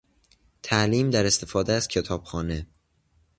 تعلیم در استفاده از کتابخانه